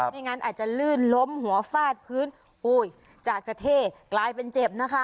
ไม่งั้นอาจจะลื่นล้มหัวฟาดพื้นอุ้ยจากจะเท่กลายเป็นเจ็บนะคะ